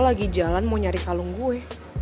lagi jalan mau nyari kalung gue